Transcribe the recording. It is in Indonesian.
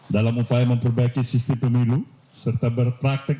dalam upaya memperbaiki sistem pemilu serta berpraktek